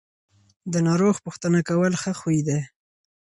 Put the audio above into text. د ناروغ پوښتنه کول ښه خوی دی.